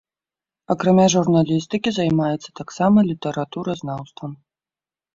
Акрамя журналістыкі займаецца таксама літаратуразнаўствам.